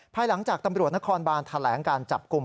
ภายหลังจากตำรวจนครบานแถลงการจับกลุ่ม